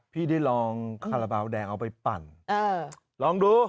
พี่ได้ลองคาราบาลแดงเอาไปปั่นลองดู